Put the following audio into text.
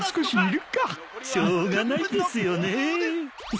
しょうがないですよね。